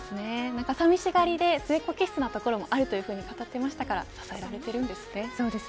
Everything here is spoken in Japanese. さみしがりで末っ子気質もあるというふうに語っていましたから支えられているんですね。